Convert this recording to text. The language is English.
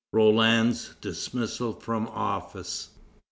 ROLAND'S DISMISSAL FROM OFFICE.